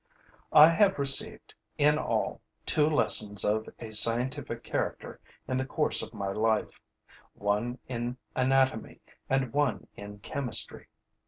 I have received, in all, two lessons of a scientific character in the course of my life: one in anatomy and one in chemistry.